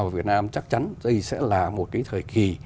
vào việt nam chắc chắn sẽ là một thời kỳ